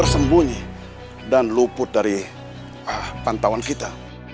bersembunyi dan luput dari pantauan kita